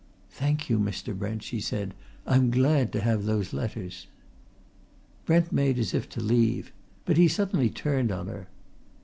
"Thank you, Mr. Brent," she said. "I'm glad to have those letters." Brent made as if to leave. But he suddenly turned on her.